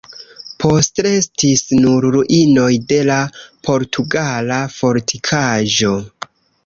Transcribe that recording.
Postrestis nur ruinoj de la portugala fortikaĵo.